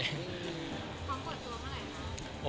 ความกลัวตัวเท่าไหร่ครับ